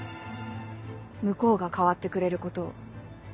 向こうが変わってくれることを。